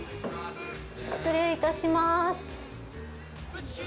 失礼いたします。